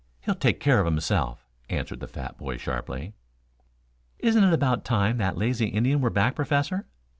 He'll take care of himself," answered the fat boy sharply. "Isn't it about time that lazy Indian were back, Professor?"